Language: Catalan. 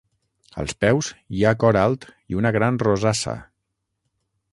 Als peus, hi ha cor alt i una gran rosassa.